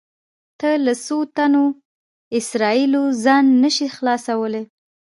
ته له څو تنو اسرایلو ځان نه شې خلاصولی.